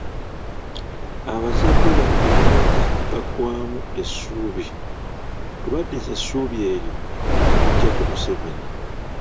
Abazadde baffe bangi baggwaamu essuubi, tubaddize essuubi eryo nga tuggyako Museveni.